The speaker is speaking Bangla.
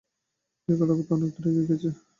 বিয়ের কথাবার্তা অনেক দূর এগিয়ে গেছে।